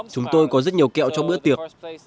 chúng tôi có rất nhiều kẹo trong bữa tiệc